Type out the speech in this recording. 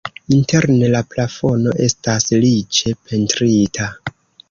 Interne la plafono estas riĉe pentrita.